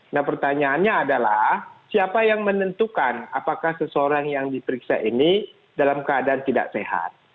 nah pertanyaannya adalah siapa yang menentukan apakah seseorang yang diperiksa ini dalam keadaan tidak sehat